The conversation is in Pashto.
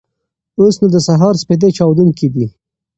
اوس نو د سهار سپېدې چاودېدونکې وې.